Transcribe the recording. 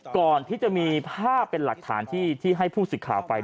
ก่อนที่จะมีภาพเป็นหลักฐานที่ให้ผู้สื่อข่าวไป